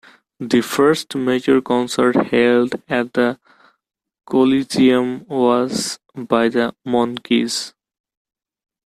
The first major concert held at the Coliseum was by The Monkees.